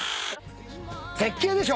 絶景でしょ。